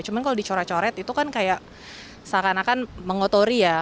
cuma kalau dicoret coret itu kan kayak seakan akan mengotori ya